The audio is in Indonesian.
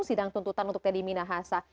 sidang tuntutan untuk teddy minahasa